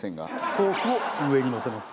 豆腐を上にのせます。